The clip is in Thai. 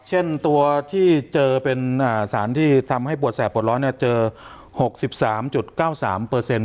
เช่นตัวที่เป็นสารที่ทำให้ปวดแสดปวดร้อย